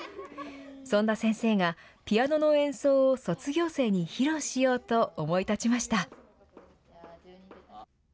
そんな先生が、ピアノの演奏を卒業生に披露しようと思い立ちました。